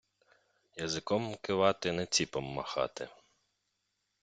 Язиком кивати, не ціпом махати.